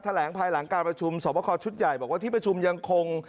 แหลงภายหลังการประชุมสอบคอชุดใหญ่บอกว่าที่ประชุมยังคง